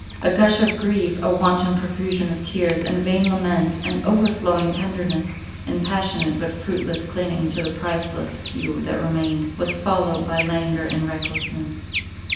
A gush of grief, a wanton profusion of tears, and vain laments, and overflowing tenderness, and passionate but fruitless clinging to the priceless few that remained, was followed by languor and recklessness.